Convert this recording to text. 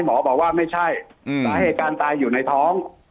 หมอบอกว่าไม่ใช่สาเหตุการณ์ตายอยู่ในท้อง